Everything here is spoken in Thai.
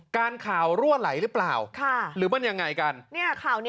ข่าวรั่วไหลหรือเปล่าหรือมันยังไงกัน